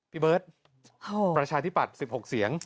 พี่เบิร์ตประชาธิปัตย์๑๖เสียง